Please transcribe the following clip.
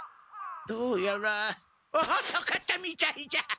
どうやらおそかったみたいじゃ。